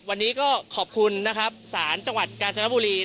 วันนี้ขอบคุณสารจังหวัดกาญจนบุรี